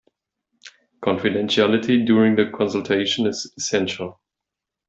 Confidentiality during the consultation is essential